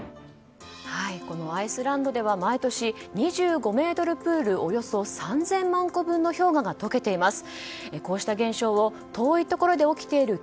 アイスランドでは毎年、２５ｍプールおよそ３００万個分の氷河が解けています。